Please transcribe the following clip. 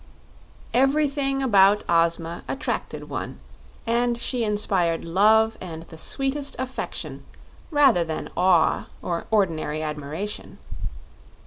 Everything about Ozma attracted one, and she inspired love and the sweetest affection rather than awe or ordinary admiration.